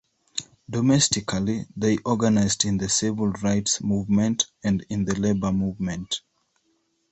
Domestically, they organized in the civil rights movement and in the labor movement.